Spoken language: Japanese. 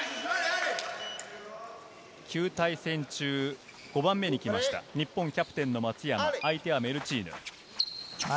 ９対戦中５番目に来ました、日本キャプテンの松山、相手はメルチーヌ。